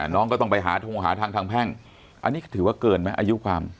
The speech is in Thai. น้องก็ต้องไปหาทงหาทางทางแพ่งอันนี้ถือว่าเกินไหมอายุความ